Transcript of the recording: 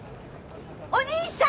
お義兄さん！